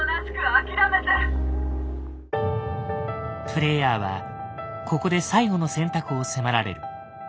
プレイヤーはここで最後の選択を迫られる。